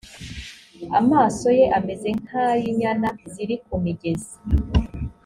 amaso ye ameze nk ay’ inyana ziri ku migezi